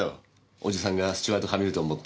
おじさんがスチュワートハミルトン持って。